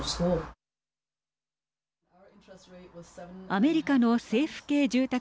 アメリカの政府系住宅